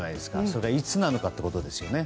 それがいつなのかということですよね。